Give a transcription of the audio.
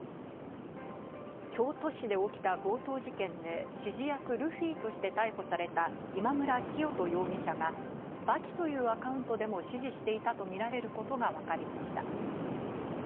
京都市で起きた強盗事件で、指示役ルフィとして逮捕された今村磨人容疑者が、刃牙というアカウントでも指示していたとみられることがわかりました。